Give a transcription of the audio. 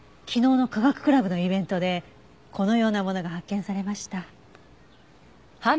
昨日の科学クラブのイベントでこのようなものが発見されました。